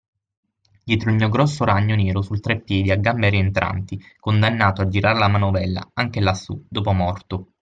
Dietro il mio grosso ragno nero sul treppiedi a gambe rientranti, condannato a girar la manovella, anche lassù, dopo morto.